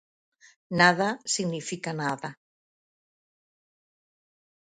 Nada significa nada.